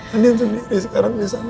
angin sendiri sekarang di sana